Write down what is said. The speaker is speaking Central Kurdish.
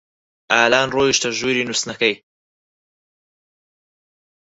ئالان ڕۆیشتە ژووری نووستنەکەی.